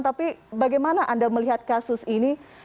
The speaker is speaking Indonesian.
tapi bagaimana anda melihat kasus ini